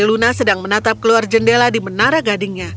luna sedang menatap keluar jendela di menara gadingnya